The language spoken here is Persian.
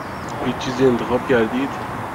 هیچ چیزی انتخاب کردید؟